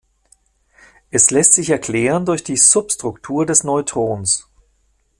Es lässt sich erklären durch die Substruktur des Neutrons.